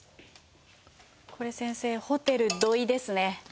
これ先生「ホテル土井」ですね